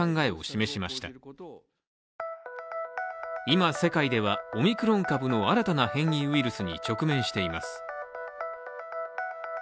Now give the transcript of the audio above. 今、世界ではオミクロン株の新たな変異ウイルスに直面しています。